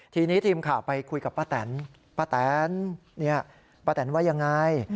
ทีนี้ทีมข่าวไปคุยกับป้าแตนป้าแตนป้าแตนว่ายังไง